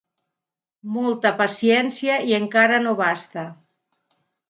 Molta paciència i encara no basta.